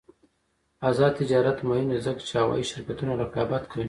آزاد تجارت مهم دی ځکه چې هوايي شرکتونه رقابت کوي.